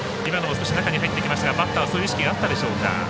少し中に入ってきましたがバッターはそういう意識があったでしょうか。